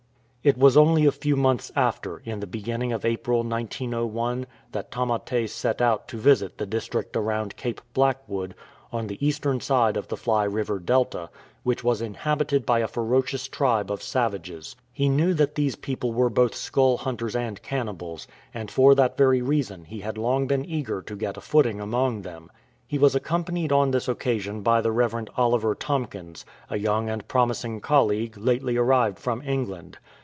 It was only a few months after, in the beginning of April, 1901, that Tamate set out to visit the district around Cape Blackwood, on the eastern side of the Fly River delta, which was inhabited by a ferocious tribe of savages. He knew that these people were both skull hunters and cannibals, and for that very reason he had long been eager to get a footing among them. He was accompanied on this occasion by the Rev. Oliver Tomkins, a young and promising colleague lately arrived from England.